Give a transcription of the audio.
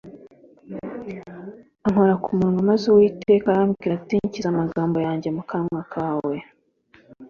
Ankora ku munwa maze Uwiteka arambwira ati Nshyize amagambo yanjye mu kanwa kawe.